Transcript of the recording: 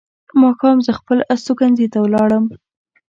ماښام زه خپل استوګنځي ته ولاړم.